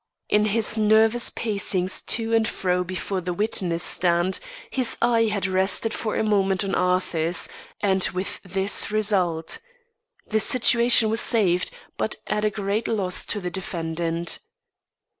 In his nervous pacings to and fro before the witness stand, his eye had rested for a moment on Arthur's, and with this result. The situation was saved, but at a great loss to the defendant.